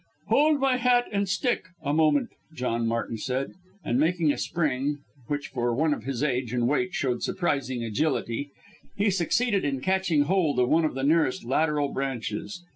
"Hold my hat and stick a moment," John Martin said, and making a spring, which for one of his age and weight showed surprising agility, he succeeded in catching hold of one of the nearest lateral branches.